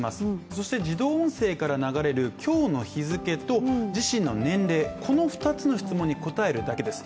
そして自動音声から流れる、今日の日付と自身の年齢、この２つの質問に答えるだけです。